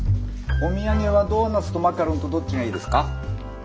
お土産はドーナツとマカロンとどっちがいいですか？